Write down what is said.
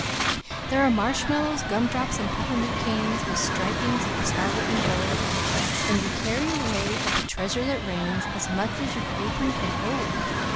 There are marshmallows, gumdrops, and peppermint canes With striping of scarlet and gold, And you carry away of the treasure that rains, As much as your apron can hold!